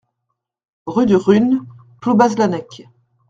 Rue du Rhun, Ploubazlanec